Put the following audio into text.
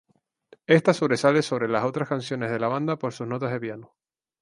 Ésta sobresale entre las otras canciones de la banda por sus notas de piano.